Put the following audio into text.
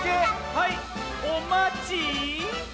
はいおまち。